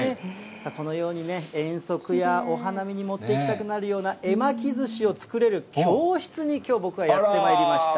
このようにね、遠足やお花見に持っていきたくなるような絵巻寿司を作れる教室にきょう、僕はやってまいりました。